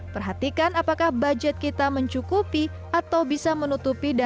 perhatikan apakah budget kita mencukupi atau bisa menutupi